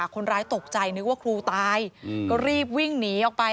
คนร้ายตกใจนึกว่าครูตายก็รีบวิ่งหนีออกไป